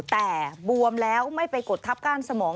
แต่บวมแล้วไม่ไปกดทับก้านสมอง